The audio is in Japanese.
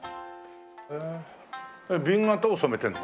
紅型を染めてるの？